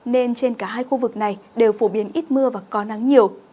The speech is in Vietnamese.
nên trên cả hai khu vực này đều phổ biến ít mưa và có nắng nhiều